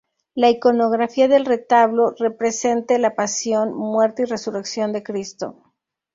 La iconografía del retablo represente la pasión, muerte y resurrección de Cristo.